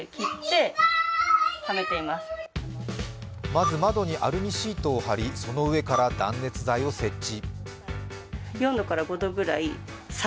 まず窓にアルミシートを貼りその上から断熱材を設置。